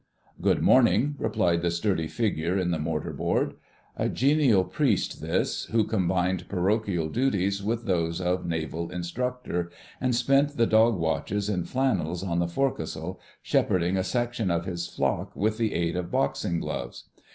"Good morning," replied the sturdy figure in the mortar board. A genial priest this, who combined parochial duties with those of Naval Instructor, and spent the dog watches in flannels on the forecastle, shepherding a section of his flock with the aid of boxing gloves.